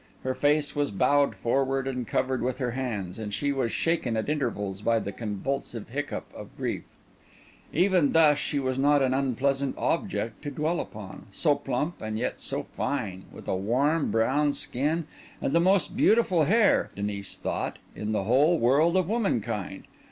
Her face was bowed forward and covered with her hands, and she was shaken at intervals by the convulsive hiccup of grief. Even thus she was not an unpleasant object to dwell upon, so plump and yet so fine, with a warm brown skin, and the most beautiful hair, Denis thought, in the whole world of womankind.